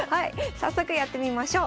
早速やってみましょう。